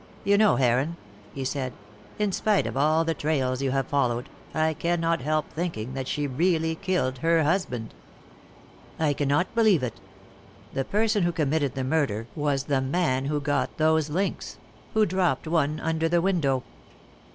"You know, Heron," he said, "in spite of all the trails you have followed, I cannot help thinking that she really killed her husband." "I cannot believe it. The person who committed the murder was the man who got those links who dropped one under the window."